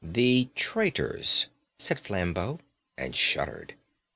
"The traitors," said Flambeau, and shuddered.